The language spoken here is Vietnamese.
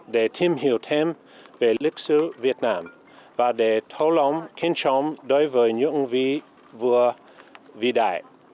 để tìm hiểu thêm về lịch sử việt nam và để thấu lòng kiên trọng đối với những vị vua vĩ đại